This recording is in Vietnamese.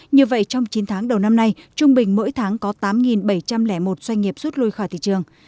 như vậy trong chín tháng đầu năm nay trung bình mỗi tháng có tám bảy trăm linh một doanh nghiệp rút lui khỏi thị trường